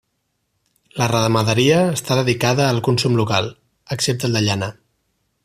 La ramaderia està dedicada al consum local, excepte el de llana.